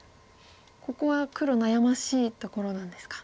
ここは黒悩ましいところなんですか。